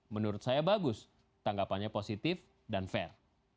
menurut saya bagus tanggapannya positif dan fair